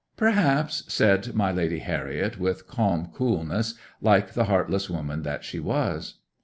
'"Perhaps," said my lady Harriet, with calm coolness, like the heartless woman that she was.